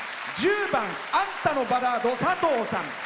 １０番「あんたのバラード」のさとうさん。